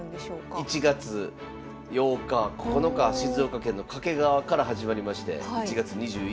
１月８日９日静岡県の掛川から始まりまして１月２１